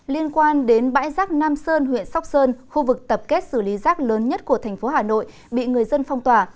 liên quan đến bãi rác nam sơn huyện sóc sơn khu vực tập kết xử lý rác lớn nhất của thành phố hà nội bị người dân phong tỏa